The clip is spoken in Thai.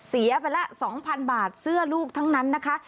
เสียไปละ๒๐๐๐บาทเสื้อลูกทั้งนั้นนะคะ